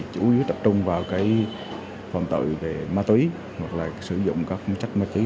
chủ yếu tập trung vào phạm tội về ma túy hoặc là sử dụng các ma túy